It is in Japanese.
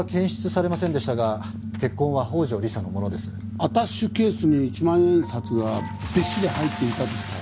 アタッシェケースに１万円札がびっしり入っていたとしたら？